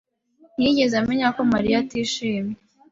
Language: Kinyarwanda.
ntiyigeze amenya ko Mariya atishimye.